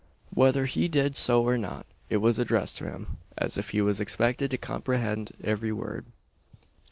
Whether he did so or not, it was addressed to him, as if he was expected to comprehend every word.